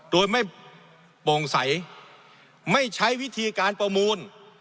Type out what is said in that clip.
โดยไม่โปร่งใสไม่ใช้วิธีการประมูล